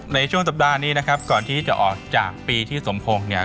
ในช่วงสัปดาห์นี้นะครับก่อนที่จะออกจากปีที่สมพงศ์เนี่ย